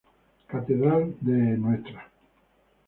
Catedral de Ntra.